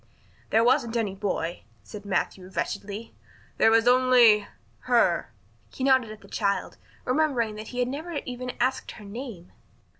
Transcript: "There wasn't any boy," said Matthew wretchedly. "There was only her." He nodded at the child, remembering that he had never even asked her name.